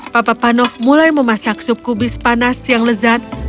papa panof mulai memasak sup kubis panas yang lezat